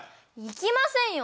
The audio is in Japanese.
行きませんよ。